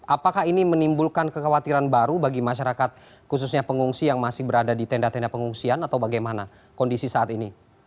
apakah ini menimbulkan kekhawatiran baru bagi masyarakat khususnya pengungsi yang masih berada di tenda tenda pengungsian atau bagaimana kondisi saat ini